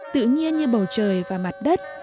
tự nhiên như bầu trời và mặt đất